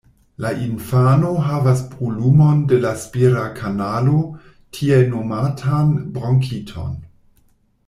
La infano havas brulumon de la spira kanalo, tiel nomatan bronkiton.